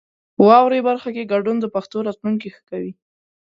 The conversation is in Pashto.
په واورئ برخه کې ګډون د پښتو راتلونکی ښه کوي.